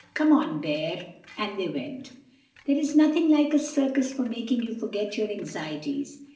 "Come on, Bear." And they went. There is nothing like a circus for making you forget your anxieties.